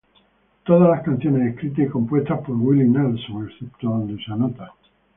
Todas las canciones escritas y compuestas por Willie Nelson excepto donde se anota.